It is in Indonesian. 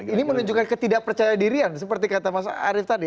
ini menunjukkan ketidakpercaya dirian seperti kata mas arief tadi